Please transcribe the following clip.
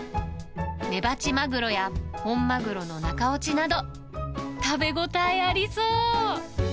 メバチマグロや本マグロの中落ちなど、食べ応えありそう。